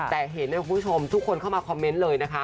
แต่เห็นนะคุณผู้ชมทุกคนเข้ามาคอมเมนต์เลยนะคะ